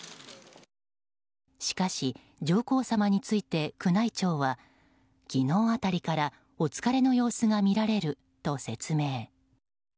しかし上皇さまについて宮内庁は昨日辺りからお疲れの様子が見られると説明。